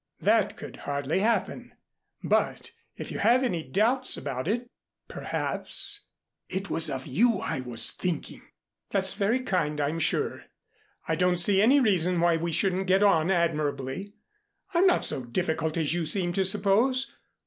"That could hardly happen. But, if you have any doubts about it, perhaps " "It was of you I was thinking " "That's very kind, I'm sure. I don't see any reason why we shouldn't get on admirably. I'm not so difficult as you seem to suppose.